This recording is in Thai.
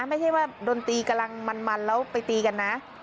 ไม่ใช่ว่าดนตรีกำลังมันแล้วไปตีกันนะ